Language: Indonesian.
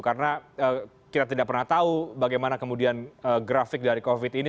karena kita tidak pernah tahu bagaimana kemudian grafik dari covid ini